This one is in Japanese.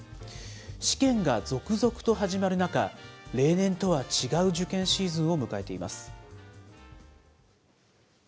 試験が続々と始まる中、例年とは違う受験シーズンを迎えています。